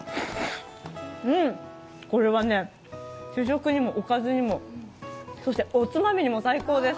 うん、これはね、主食にもおかずにもそしておつまみにも最高です。